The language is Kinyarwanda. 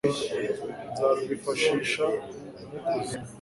nzarwifashisha mukuze